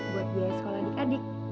buat biaya sekolah adik adik